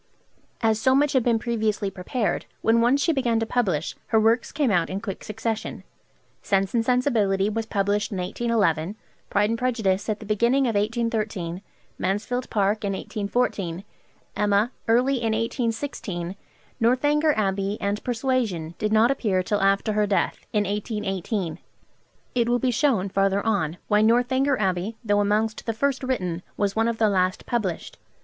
As so much had been previously prepared, when once she began to publish, her works came out in quick succession. 'Sense and Sensibility' was published in 1811, 'Pride and Prejudice' at the beginning of 1813, 'Mansfield Park' in 1814, 'Emma' early in 1816; 'Northanger Abbey' and 'Persuasion' did not appear till after her death, in 1818. It will be shown farther on why 'Northanger Abbey,' though amongst the first written, was one of the last published.